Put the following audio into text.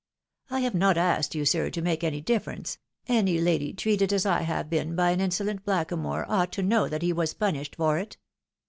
" I have not asked you, sir, to make any differenfce ; any lady, treated as I have been by an insolent blackamoor, ought to know that he was punished for it."